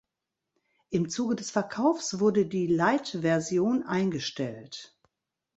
Im Zuge des Verkaufs wurde die Lite-Version eingestellt.